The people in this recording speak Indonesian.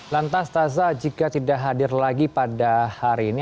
lantas taza jika tidak hadir lagi pada hari ini